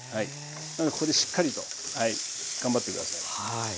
ここでしっかりと頑張って下さい。